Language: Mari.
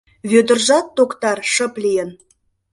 Вӧдыржат, токтар, шып лийын.